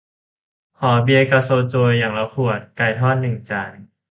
ขอเบียร์กับโซจู อย่างละขวด ไก่ทอดหนึ่งจาน